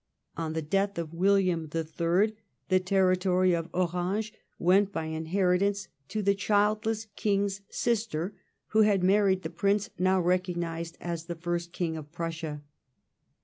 On the death of William the Third the territory of Orange went by inheritance to the childless King's sister, who had married the Prince now recognised as the first King of Prussia.